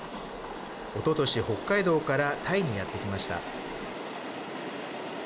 おととし北海道からタイにやって来ました。